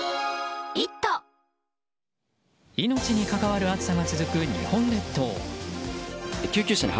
命に関わる暑さが続く日本列島。